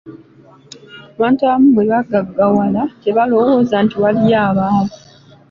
Abantu abamu bwe bagaggawala tebalowooza nti waliyo abaavu.